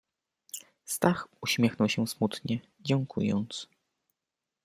"Stach uśmiechał się smutnie, dziękując."